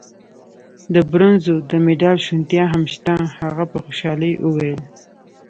د برونزو د مډال شونتیا هم شته. هغه په خوشحالۍ وویل.